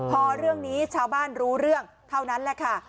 พอเรื่องนี้ชาวบ้านรู้เรื่องเท่านั้นแหละค่ะ